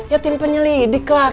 ya tim penyelidik lah